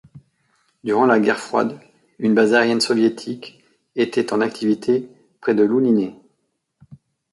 Durant la guerre froide, une base aérienne soviétique était en activité près de Louninets.